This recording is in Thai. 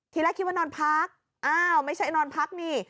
ทีแรกคิดว่านอนพักอ้าวไม่ใช่นอนพักนี่